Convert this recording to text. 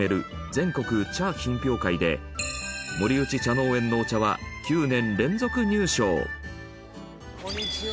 全国茶品評会で森内茶農園のお茶はこんにちは。